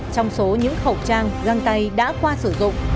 trong số những khẩu trang găng tay đã qua sử dụng